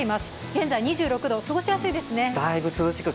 現在２６度、過ごしやすいですね。